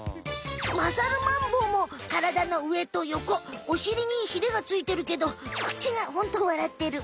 まさるマンボウもからだの上と横お尻にヒレがついてるけど口がホント笑ってる。